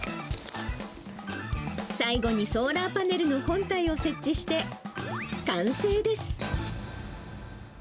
最後にソーラーパネルの本体を設置して完成です。